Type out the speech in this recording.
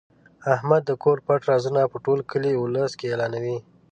احمد د کور پټ رازونه په ټول کلي اولس کې اعلانوي.